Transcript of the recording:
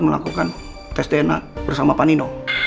selamat siang rin